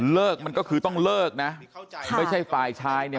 มันก็คือต้องเลิกนะไม่ใช่ฝ่ายชายเนี่ย